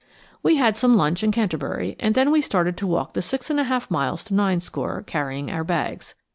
We had some lunch in Canterbury, and then we started to walk the six and a half miles to Ninescore, carrying our bags.